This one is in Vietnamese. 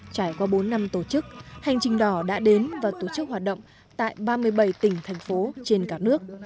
trải qua bốn năm tổ chức hành trình đỏ đã đến và tổ chức hoạt động tại ba mươi bảy tỉnh thành phố trên cả nước